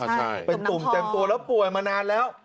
ใช่เป็นตุ่มเต็มตัวแล้วป่วยมานานแล้ว